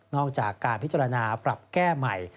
จากการพิจารณาปรับแก้ใหม่